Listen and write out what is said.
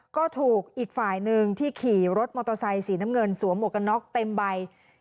ก็ถูกอีกฝ่ายหนึ่งที่ขี่รถมอเตอร์ไซค์สีน้ำเงินสวมหมวกกันน็อกเต็มใบ